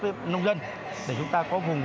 với nông dân để chúng ta có vùng